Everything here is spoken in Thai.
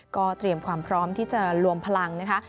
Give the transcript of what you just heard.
ก็เตรียมความพร้อมที่จะรวมพลังนะคะ